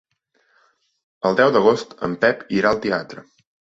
El deu d'agost en Pep irà al teatre.